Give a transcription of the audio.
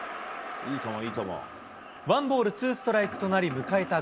ワンボールツーストライクとなり迎えた